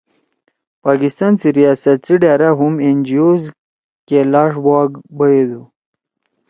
پاکستان سی ریاست سی ڈھأرا ہُم این جی اوز کے لاݜ بُوا بیَدُو۔